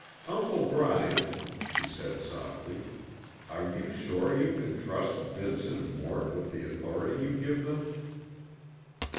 "Uncle Bryant," she said softly, "are you sure you can trust Vince and Mort with the authority you give them?"